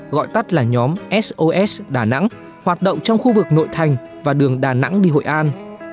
gọi tắt là nhóm sos đà nẵng hoạt động trong khu vực nội thành và đường đà nẵng đi hội an